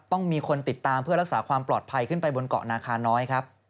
ต้องมีคนติดตามเพื่อรักษาความปลอดภัยขึ้นไปบนเกาะนาคาน้อยครับ